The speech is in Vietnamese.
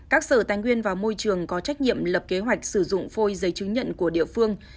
các sở tài nguyên và môi trường có trách nhiệm lập kế hoạch sử dụng phôi giấy chứng nhận của địa phương